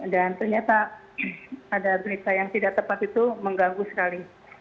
dan ternyata ada berita yang tidak tepat itu mengganggu sekali